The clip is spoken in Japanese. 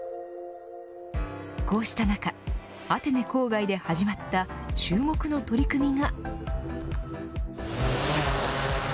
こうした中アテネ郊外で始まった注目の取り組みが。